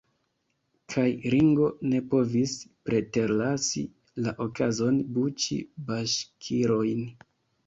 Kaj Ringo ne povis preterlasi la okazon buĉi baŝkirojn.